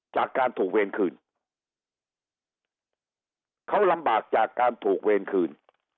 จากการถูกเวรคืนเขาลำบากจากการถูกเวรคืน